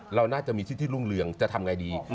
เราน่าจะมีชื่อที่รุ่งเรืองจะทำไงดี